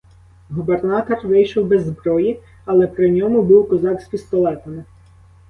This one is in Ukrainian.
Губернатор вийшов без зброї, але при ньому був козак з пістолетами.